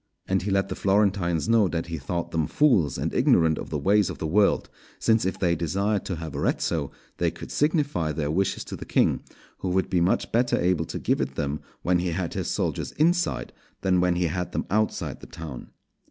And he let the Florentines know that he thought them fools and ignorant of the ways of the world; since if they desired to have Arezzo, they could signify their wishes to the King, who would be much better able to give it them when he had his soldiers inside, than when he had them outside the town.